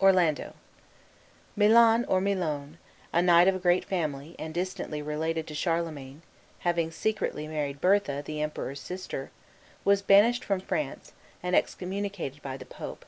ORLANDO Milon, or Milone, a knight of great family, and distantly related to Charlemagne, having secretly married Bertha, the Emperor's sister, was banished from France, and excommunicated by the Pope.